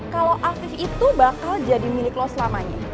kalau aktif itu bakal jadi milik lo selamanya